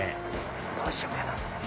どうしようかな。